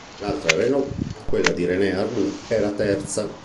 L'altra Renault, quella di René Arnoux era terza.